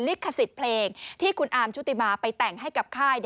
ลิขสิทธิ์เพลงที่คุณอาร์มชุติมาไปแต่งให้กับค่าย